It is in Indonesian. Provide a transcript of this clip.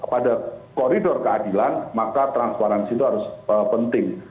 pada koridor keadilan maka transparansi itu harus penting